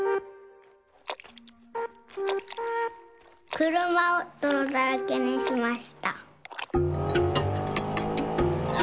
くるまをどろだらけにしました。